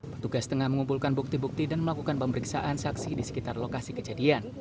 petugas tengah mengumpulkan bukti bukti dan melakukan pemeriksaan saksi di sekitar lokasi kejadian